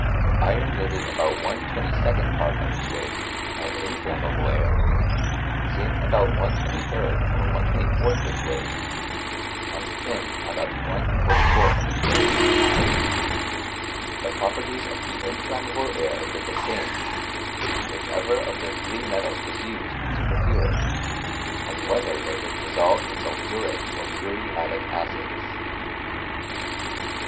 Iron yielded about l 22d part of it» I' weight, of inflammable air, zinc about l 23il Or ]' l 24th of its weight, and tin about l 44th of its l] weight. The properties of the inflammable air wer^ the same, whichever of the three metals was used to procure it, and whether they were dissolved in soli phuric or muriatic acids.